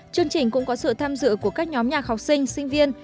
chương trình cũng có sự tham dự của các nhóm nhạc học sinh sinh viên